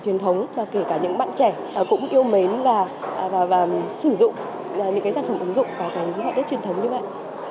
truyền thống mà kể cả những bạn trẻ cũng yêu mến và sử dụng những cái sản phẩm ứng dụng và những cái họa tiết truyền thống như vậy